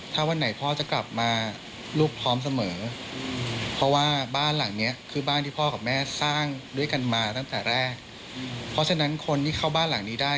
ถ้าสมมติว่าคุณพ่อมีภรรยาจากภรรยาใหม่ใด